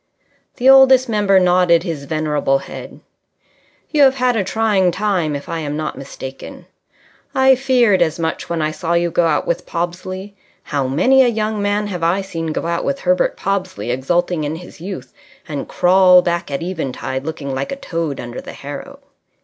The Oldest Member nodded his venerable head. "You have had a trying time, if I am not mistaken. I feared as much when I saw you go out with Pobsley. How many a young man have I seen go out with Herbert Pobsley exulting in his youth, and crawl back at eventide looking like a toad under the harrow!